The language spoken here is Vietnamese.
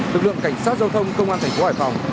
lực lượng cảnh sát giao thông công an thành phố hải phòng